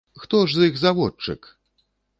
Хто ж з іх заводчык?!.